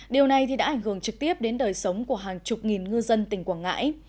điều này đã ảnh hưởng trực tiếp đến đời sống của hàng chục nghìn ngư dân tỉnh quảng ngãi